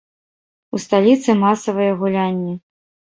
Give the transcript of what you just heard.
У сталіцы масавыя гулянні.